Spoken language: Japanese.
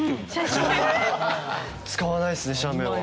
使わないですね写メは。